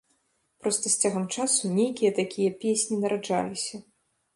Проста, з цягам часу нейкія такія песні нараджаліся.